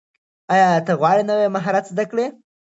ایا ته غواړې نوي مهارت زده کړې؟